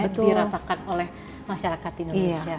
dirasakan oleh masyarakat indonesia